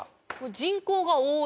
人口が多い。